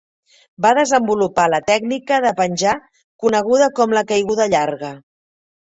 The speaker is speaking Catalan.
Va desenvolupar la tècnica de penjar coneguda com la "caiguda llarga".